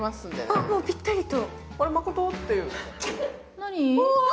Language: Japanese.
あ、もうぴったりと。